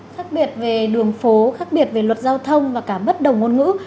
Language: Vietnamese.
khác biệt về đường phố khác biệt về luật giao thông và cả bất đồng ngôn ngữ